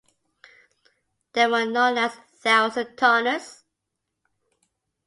They were known as "thousand tonners".